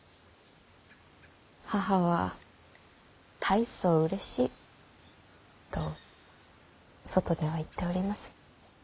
「母は大層うれしい」。と外では言っております。